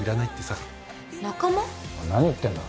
お前何言ってんだ。